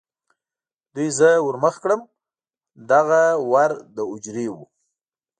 دوی زه ور مخې کړم، دغه ور د هوجرې و.